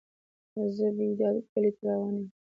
زه بیداد کلی ته روان یم.